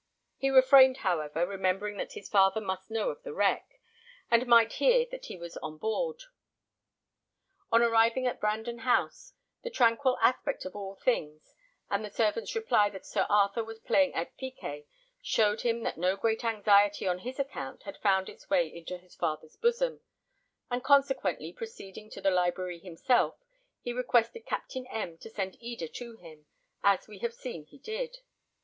He refrained, however, remembering that his father must know of the wreck, and might hear that he was on board. On arriving at Brandon House, the tranquil aspect of all things, and the servant's reply that Sir Arthur was playing at piquet, showed him that no great anxiety on his account had found its way into his father's bosom; and consequently proceeding to the library himself, he requested Captain M to send Eda to him, as we have seen he did.